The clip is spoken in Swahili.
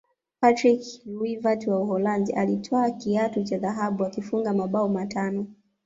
patrick kluivert wa uholanzi alitwaa kiatu cha dhahabu akifunga mabao matano